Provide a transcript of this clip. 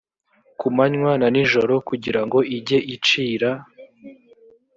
ku manywa na nijoro kugira ngo ijye icira